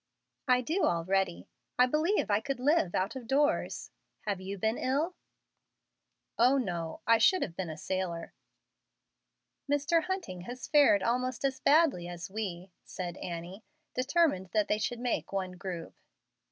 "I do already; I believe I could live out of doors. Have you been ill?" "O no; I should have been a sailor." "Mr. Hunting has fared almost as badly as we," said Annie, determined that they should make one group.